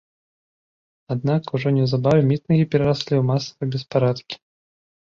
Аднак, ужо неўзабаве мітынгі перараслі ў масавыя беспарадкі.